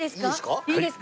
いいですか？